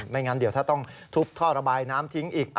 ไม่งั้นเดี๋ยวถ้าต้องทุบท่อระบายน้ำทิ้งอีก